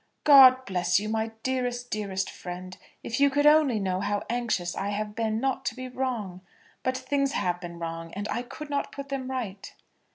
"God bless you, my dearest, dearest friend! If you could only know how anxious I have been not to be wrong. But things have been wrong, and I could not put them right."